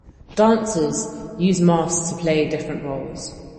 Dancers use masks to play different roles.